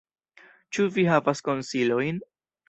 Ĉu vi havas konsilojn?